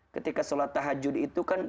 ketika sholat tahajud itu kan